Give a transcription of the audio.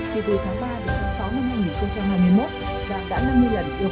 chỉ từ tháng ba đến tháng sáu năm hai nghìn hai mươi một giang đã năm mươi lần yêu cầu đảm ngân chuyển tiền